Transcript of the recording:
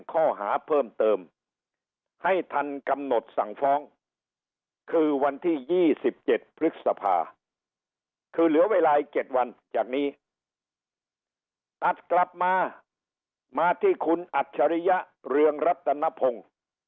คือเหลือเวลาอีกเจ็ดวันจากนี้ตัดกลับมามาที่คุณอัจฉริยะเรืองรับตนพงศ์